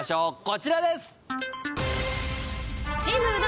こちらです。